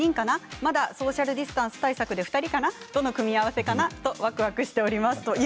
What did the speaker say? またソーシャルディスタンス対策で２人かな、どの組み合わせかわくわくしています。